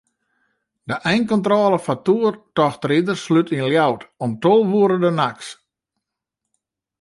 De einkontrôle foar toertochtriders slút yn Ljouwert om tolve oere de nachts.